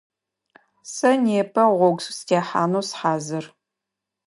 Сэ непэ гъогу сытехьанэу сыхьазыр.